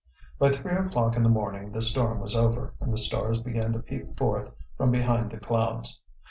By three o'clock in the morning the storm was over and the stars began to peep forth from behind the clouds.